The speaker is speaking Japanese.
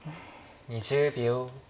２０秒。